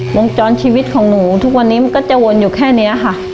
วงจรชีวิตของหนูทุกวันนี้มันก็จะวนอยู่แค่นี้ค่ะ